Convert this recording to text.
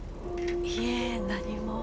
いえ何も。